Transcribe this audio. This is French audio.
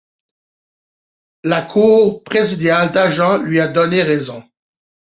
La Cour présidiale d'Agen lui a donné raison.